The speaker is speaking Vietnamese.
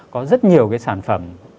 có rất nhiều cái sản phẩm